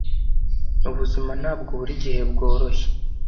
ubuzima ntabwo buri gihe bworoshye